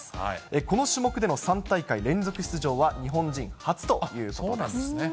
この種目での３大会連続出場は日本人初ということです。